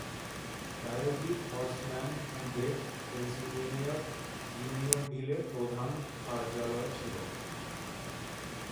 প্রায়োগিক হর্সম্যান পূর্বে পেনসিলভানিয়ার ইউনিয়নভিলে প্রধান কার্যালয় ছিল।